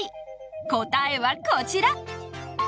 答えはこちら